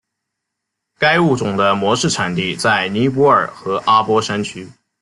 该物种的模式产地在尼泊尔和阿波山区。